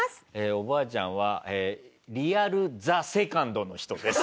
おばあちゃんはリアルＴＨＥＳＥＣＯＮＤの人です。